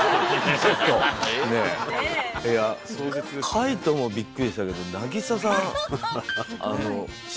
海人もびっくりでしたけどなぎささん。